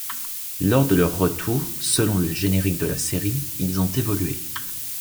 Lors de leur retour, selon le générique de la série, ils ont évolué.